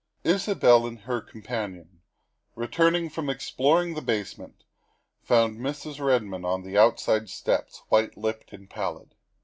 Isabel and her companion, returning from exploring the basement, found Mrs. Redmond on the outside steps, white lipped and pallid.